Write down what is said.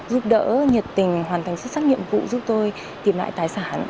giúp đỡ nhiệt tình hoàn thành xuất sắc nhiệm vụ giúp tôi tìm lại tài sản